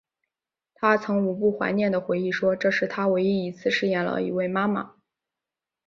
她曾不无怀念的回忆说这是她唯一一次饰演了一位妈妈。